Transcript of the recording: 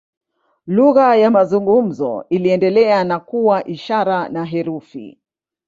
Lugha ya mazungumzo iliendelea na kuwa ishara na herufi.